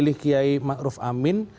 memilih kiai ma'ruf amin